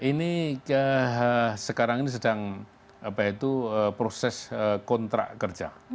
ini sekarang ini sedang proses kontrak kerja